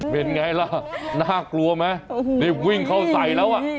เป็นไงล่ะน่ากลัวไหมนี่วิ่งเข้าใส่แล้วอ่ะ